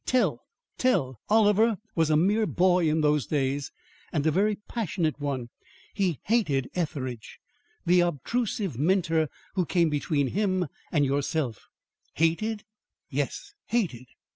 Tell tell " "Oliver was a mere boy in those days and a very passionate one. He hated Etheridge the obtrusive mentor who came between him and yourself." "Hated?" "Yes." "HATED?"